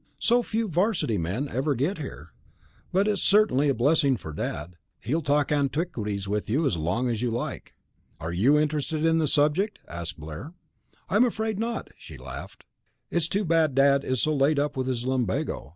"So few 'varsity men ever get here. But it's certainly a blessing for Dad. He'll talk antiquities with you as long as you like." "Are you interested in the subject?" asked Blair. "I'm afraid not," she laughed. "It's too bad Dad is so laid up with his lumbago.